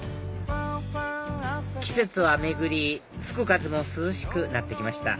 季節は巡り吹く風も涼しくなって来ました